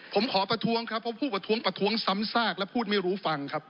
ผมขอประท้วงครับเพราะผู้ประท้วงประท้วงซ้ำซากและพูดไม่รู้ฟังครับ